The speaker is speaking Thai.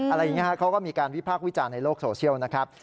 อะไรอย่างนี้เขาก็มีการวิพากษ์วิจารณ์ในโลกโซเชียลนะครับ